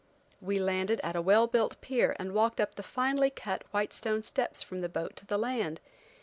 We landed at a well built pier and walked up the finely cut, white stone steps from the boat to the land.